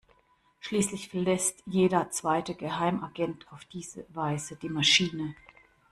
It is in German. Schließlich verlässt jeder zweite Geheimagent auf diese Weise die Maschine.